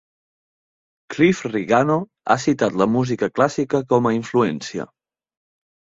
Cliff Rigano ha citat la música clàssica com a influència.